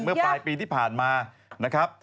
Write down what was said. เมื่อปลายปีที่ผ่านมานะครับ